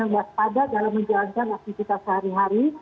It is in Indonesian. waspada dalam menjalankan aktivitas sehari hari